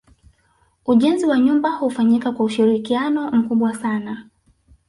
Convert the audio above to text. Ujenzi wa nyumba hufanyika kwa ushirikiano mkubwa sana